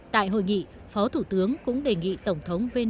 tại hội nghị phó thủ tướng cũng đề nghị tổng thống vene